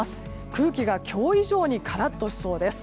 空気が今日以上にカラッとしそうです。